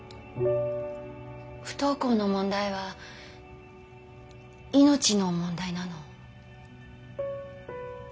不登校の問題は命の問題なの。